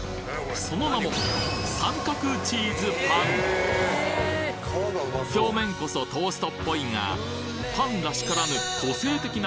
その名も表面こそトーストっぽいがパンらしからぬ